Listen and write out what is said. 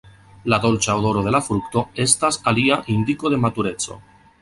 La dolĉa odoro de la frukto estas alia indiko de matureco.